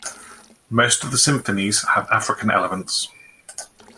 Most of the symphonies have African elements.